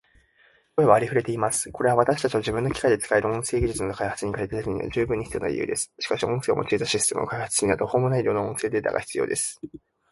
声はありふれています。これは私たちを自分の機械で使える音声技術の開発に駆り立てるには十分に必要な理由です。しかし、音声を用いたシステムを開発するには途方もない量の音声データが必要です。